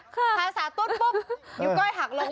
ภาษาตุ๊ดปุ๊บนิ้วก้อยหักลง